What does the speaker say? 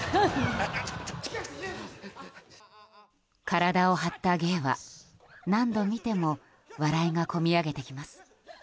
体を張った芸は何度見ても笑いが込み上げてきます。